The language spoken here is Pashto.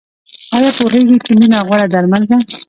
ایا پوهیږئ چې مینه غوره درمل ده؟